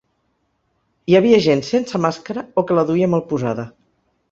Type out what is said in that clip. Hi havia gent sense màscara o que la duia mal posada.